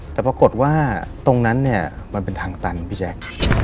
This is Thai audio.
แต่ปรากฏว่าตรงนั้นเนี่ยมันเป็นทางตันพี่แจ๊ค